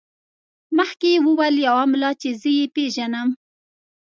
مخکې یې وویل یو ملا چې زه یې پېژنم.